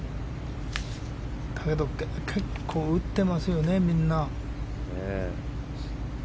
結構打ってますよね、みんな。